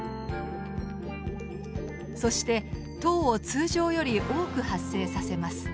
そして糖を通常より多く発生させます。